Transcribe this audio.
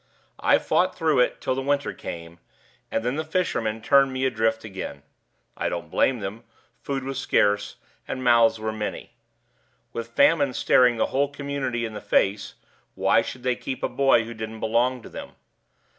I fought through it till the winter came, and then the fishermen turned me adrift again. I don't blame them; food was scarce, and mouths were many. With famine staring the whole community in the face, why should they keep a boy who didn't belong to them?